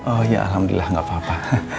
oh iya alhamdulillah nggak apa apa